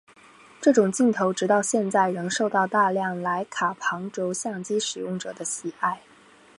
这种镜头直到现在仍受到大量莱卡旁轴相机使用者的喜爱。